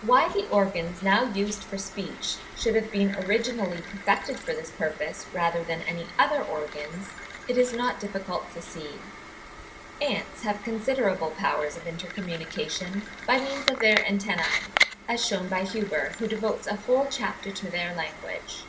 Why the organs now used for speech should have been originally perfected for this purpose, rather than any other organs, it is not difficult to see. Ants have considerable powers of intercommunication by means of their antennae, as shewn by Huber, who devotes a whole chapter to their language.